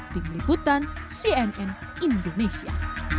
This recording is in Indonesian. tingin liputan cnn indonesia